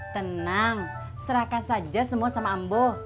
tenang serahkan saja semua sama ambo